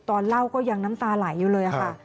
ตอนเล่าก็ยังน้ำตาไหลอยู่เลยค่ะ